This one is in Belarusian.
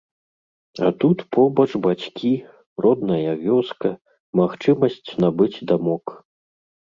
А тут побач бацькі, родная вёска, магчымасць набыць дамок.